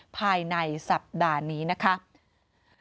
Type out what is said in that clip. ภายในสัปดาห์นี้นะคะ